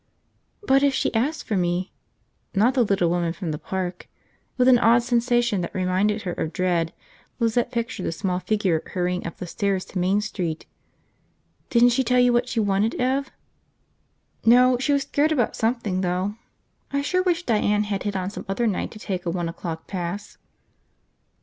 "But if she asked for me ..." Not the little woman from the park! With an odd sensation that reminded her of dread, Lizette pictured the small figure hurrying up the stairs to Main Street. "Didn't she tell you what she wanted, Ev?" "No. She was scared about something, though. I sure wish Diane had hit on some other night to take a one o'clock pass."